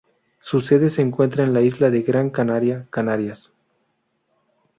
Su sede se encuentra en la isla de Gran Canaria, Canarias.